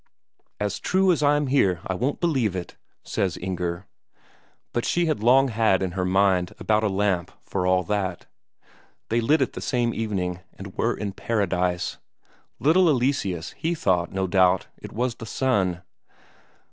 "As true as I'm here I won't believe it," says Inger. But she had long had in her mind about a lamp for all that. They lit it the same evening, and were in paradise; little Eleseus he thought, no doubt, it was the sun.